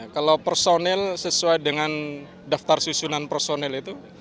kalau personil sesuai dengan daftar susunan personil itu